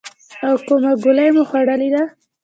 ایا کومه ګولۍ مو خوړلې ده؟